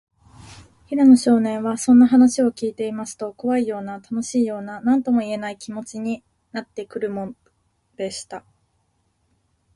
平野少年は、そんな話をきいていますと、こわいような、たのしいような、なんともいえない、気もちになってくるのでした。